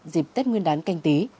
dịp tết nguyên đán canh tí